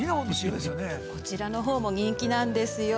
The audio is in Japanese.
こちらのほうも人気なんですよ。